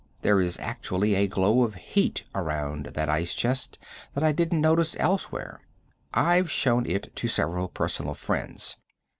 There is actually a glow of heat around that ice chest that I don't notice elsewhere. I've shown it to several personal friends.